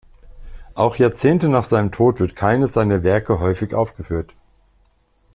Auch Jahrzehnte nach seinem Tod wird keines seiner Werke häufig aufgeführt.